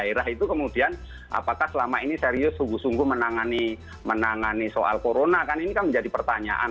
daerah itu kemudian apakah selama ini serius sungguh sungguh menangani soal corona kan ini kan menjadi pertanyaan